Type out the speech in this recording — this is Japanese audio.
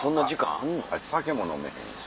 あいつ酒も飲めへんし。